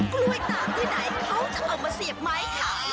กล้วยตากที่ไหนเขาจะเอามาเสียบไหมค่ะ